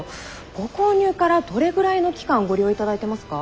ご購入からどれぐらいの期間ご利用頂いてますか？